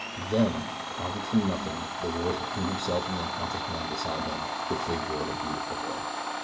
Then, conjured from nothing, there rose between himself and the unconscious man beside him the figure of a beautiful girl.